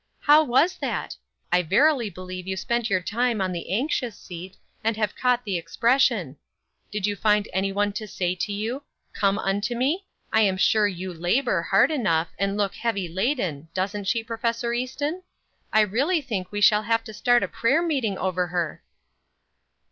How was that? I verily believe you spent your time on the anxious seat, and have caught the expression. Did you find anyone to say to you, 'Come unto me?' I'm sure you 'labor' hard enough, and look 'heavy laden,' doesn't she, Prof. Easton? I really think we shall have to start a prayer meeting over her."